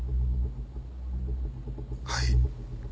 はい。